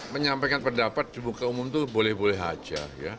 menyampaikan pendapat di muka umum itu boleh boleh saja